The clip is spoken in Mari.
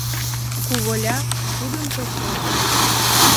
Куголя — тудын почеш...